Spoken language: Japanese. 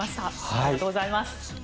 ありがとうございます。